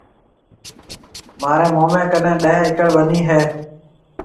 مهاريَ موميَ ڪنَي ڏيه ايڪڙ ٻنِي هيَ۔